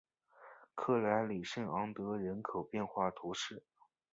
克莱里圣昂德雷人口变化图示